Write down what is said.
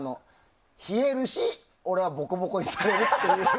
冷えるし、俺はぼこぼこにされるっていう。